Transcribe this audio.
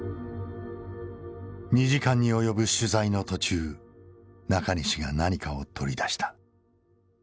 ２時間に及ぶ取材の途中中西が何かを取り出した。